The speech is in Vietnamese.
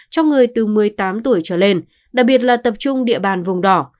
cho người từ một mươi tám tuổi trở lên đặc biệt là tập trung địa bàn vùng đỏ